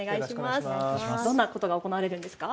どんなことが行われるんですか。